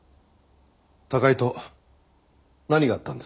高井と何があったんですか？